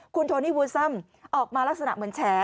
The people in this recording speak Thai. คุณโทนี่วูซัมออกมาลักษณะเหมือนแฉ